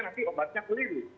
nanti obatnya keliru